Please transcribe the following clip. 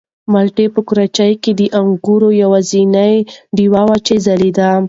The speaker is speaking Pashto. مالټې په کراچۍ کې د رنګونو یوازینۍ ډېوه وه چې ځلېده.